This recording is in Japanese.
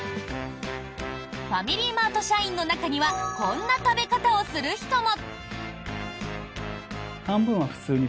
ファミリーマート社員の中にはこんな食べ方をする人も。